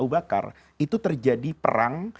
ubakar itu terjadi perang